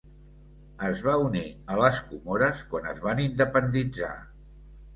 Es va unir a les Comores quan es van independitzar.